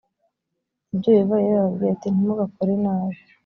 ibyo yehova yari yarababwiye ati ntimugakore nabi